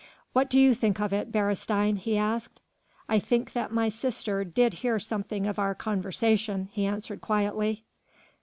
"What do you think of it, Beresteyn?" he asked. "I think that my sister did hear something of our conversation," he answered quietly.